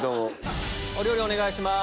お料理お願いします。